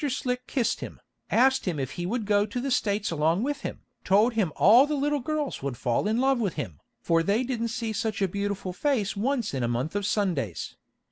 Slick kissed him, asked him if he would go to the States along with him, told him all the little girls would fall in love with him, for they didn't see such a beautiful face once in a month of Sundays.